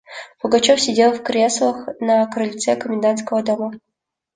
Пугачев сидел в креслах на крыльце комендантского дома.